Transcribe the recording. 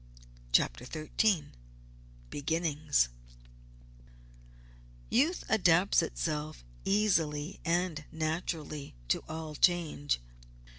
CHAPTER XIII BEGINNINGS Youth adapts itself easily and naturally to all change.